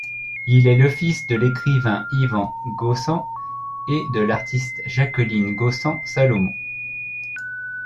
Il est le fils de l'écrivain Ivan Gaussen et de l'artiste Jacqueline Gaussen Salmon.